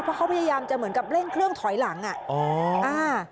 เพราะเขาพยายามจะเหมือนกับเร่งเครื่องถอยหลังอ่ะอ๋ออ่า